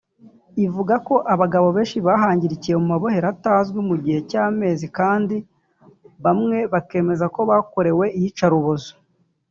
Ivuga ko abagabo benshi bahangayikiye mu mabohero atazwi mu gihe cy’amezi kandi bamwe bakemeza ko bakorewe iyicarubozo